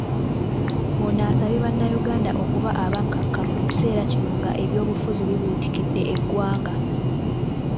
Ono asabye bannayuganda okuba abakkakkamu mu kiseera kino nga ebyobufuzi bibuutikidde eggwanga.